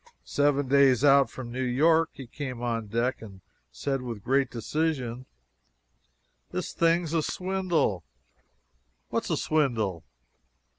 Seven days out from New York he came on deck and said with great decision: "This thing's a swindle!" "What's a swindle?"